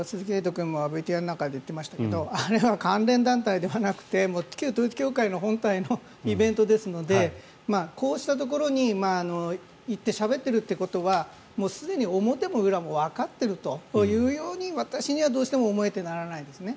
君もＶＴＲの中で言っていましたけどあれは関連団体ではなくて旧統一教会の本体のイベントですのでこうしたところに行ってしゃべっているということはすでに表も裏もわかっているというように私には、どうしても思えてならないんですね。